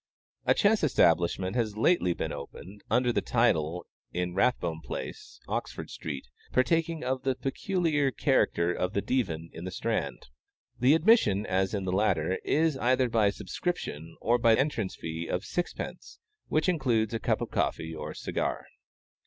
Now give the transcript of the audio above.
A chess establishment has lately been opened, under the above title, in Rathbone place, Oxford street, partaking of the peculiar character of the Divan, in the Strand. The admission, as in the latter, is either by subscription, or by entrance fee of sixpence, which includes a cup of coffee or cigar.